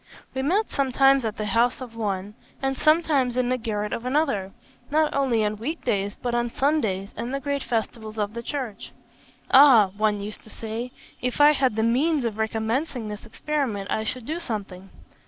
We met sometimes at the house of one, and sometimes in the garret of another; not only on week days, but on Sundays and the great festivals of the Church. 'Ah!' one used to say, 'if I had the means of recommencing this experiment, I should do something.'